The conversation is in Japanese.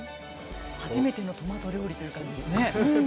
初めてのトマト料理ということですね。